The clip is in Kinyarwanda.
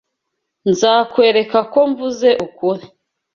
Nzakwereka ko mvuze ukuri.